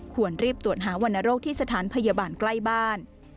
ควรรีบตรวจหาวรรณโรคที่สถานพยาบาลใกล้บ้าน